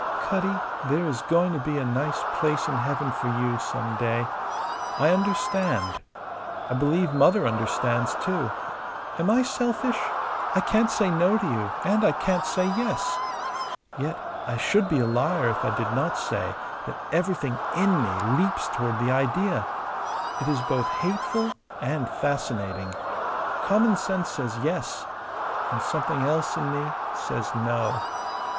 "Cutty, there is going to be a nice place in heaven for you some day. I understand. I believe Mother understands, too. Am I selfish? I can't say No to you and I can't say Yes. Yet I should be a liar if I did not say that everything in me leaps toward the idea. It is both hateful and fascinating. Common sense says Yes; and something else in me says No.